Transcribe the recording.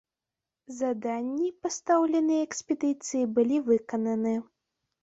Заданні, пастаўленыя экспедыцыі, былі выкананы.